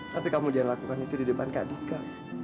tapi kamu dia lakukan itu di depan kak dika